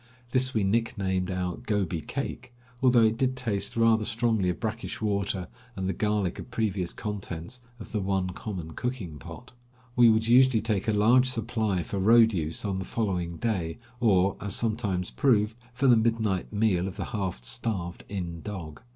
This we nicknamed our "Gobi cake," although it did taste rather strongly of brackish water and the garlic of previous contents of the one common cooking pot. We would usually take a large supply for road use on the following day, or, as sometimes proved, for the midnight meal of the half starved inn dog.